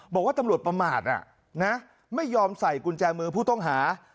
บอกว่าตำรวจประมาทไม่ยอมใส่กุญแจมือผู้ต้องหา